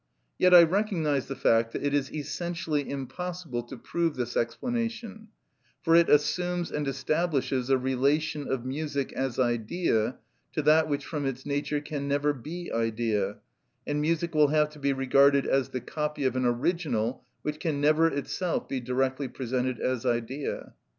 Yet I recognise the fact that it is essentially impossible to prove this explanation, for it assumes and establishes a relation of music, as idea, to that which from its nature can never be idea, and music will have to be regarded as the copy of an original which can never itself be directly presented as idea.